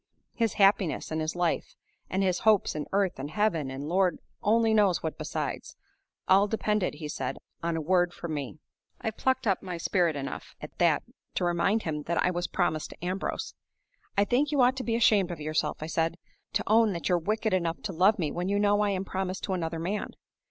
His happiness and his life, and his hopes in earth and heaven, and Lord only knows what besides, all depended, he said, on a word from me. I plucked up spirit enough at that to remind him that I was promised to Ambrose. 'I think you ought to be ashamed of yourself,' I said, 'to own that you're wicked enough to love me when you know I am promised to another man!